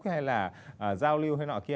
hay là giao lưu hay nọ kia